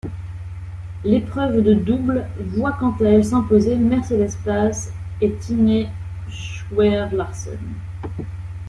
L'épreuve de double voit quant à elle s'imposer Mercedes Paz et Tine Scheuer-Larsen.